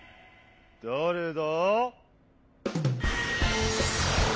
だれだ？